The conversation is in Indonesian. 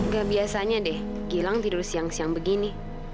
gak biasanya deh gilang tidur siang siang begini